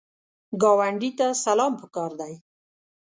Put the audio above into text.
ګاونډي ته سلام پکار دی